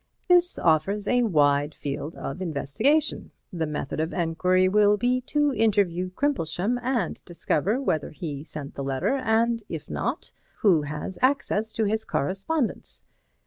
This offers a wide field of investigation. The method of enquiry will be to interview Crimplesham and discover whether he sent the letter, and if not, who has access to his correspondence.